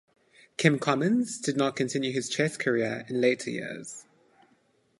Kim Commons did not continue his chess career in later years.